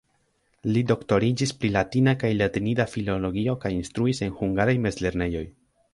Li doktoriĝis pri latina kaj latinida filologio kaj instruis en hungaraj mezlernejoj.